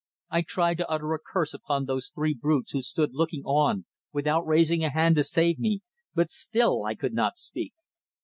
I tried to utter a curse upon those three brutes who stood looking on without raising a hand to save me, but still I could not speak.